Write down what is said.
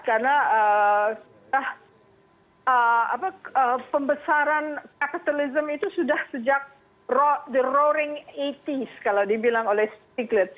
karena pembesaran kapitalisme itu sudah sejak the roaring delapan puluh 's kalau dibilang oleh stiglitz